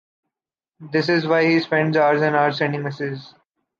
This is why he spends hours and hours sending messages.